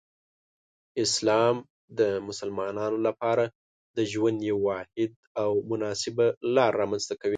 اسلام د مسلمانانو لپاره د ژوند یو واحد او مناسب لار رامنځته کوي.